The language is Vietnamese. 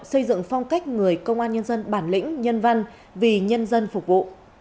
xây dựng phong cách người công an nhân dân bản lĩnh nhân văn vì nhân dân phục vụ